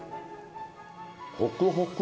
ホクホク。